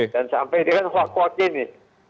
dan sampai dia kan huak huak gini